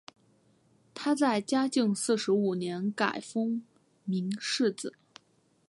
他在嘉靖四十五年改封岷世子。